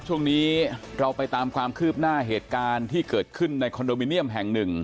ช่วงนี้เราไปตามความคืบหน้าเหตุการณ์ที่เกิดขึ้นในคอนโดมิเนียมแห่งหนึ่ง